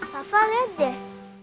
pak lihat deh